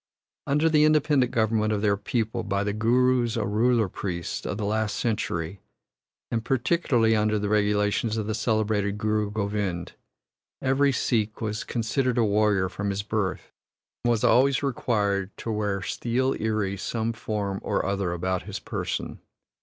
Under the independent government of their people by the Gurus, or ruler priests, of the last century, and particularly under the regulations of the celebrated Guru Govind, every Sikh was considered a warrior from his birth, and was always required to wear steel iri some form or other about his person.